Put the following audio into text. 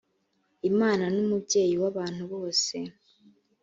imana numubyeyi wabantu bose.